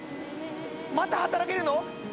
また働けるの？